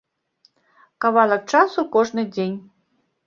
Кавалак часу кожны дзень.